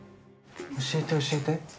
教えて教えて。